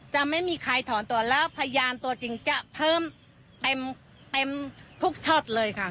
จะไม่มีใครถอนตัวแล้วพยานตัวจริงจะเพิ่มเต็มทุกช็อตเลยค่ะ